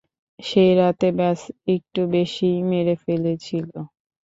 সেই রাতে ব্যস একটু বেশিই মেরে ফেলেছিল।